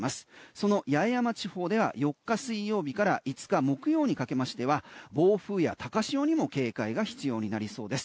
その八重山地方では４日水曜日から５日木曜にかけましては暴風や高潮にも警戒が必要になりそうです。